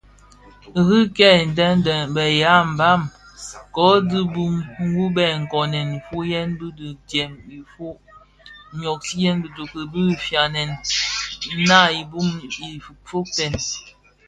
Ki kè dhëndèn lè be ya mbam ko dhi mbiň wu bë nkoomen nfuyen yi bi ndyem ufog, nwogsiyèn bitoki bi fañiyèn naa i bum ifogtèn.